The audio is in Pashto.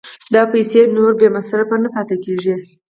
دا پیسې نورې بې مصرفه نه پاتې کېږي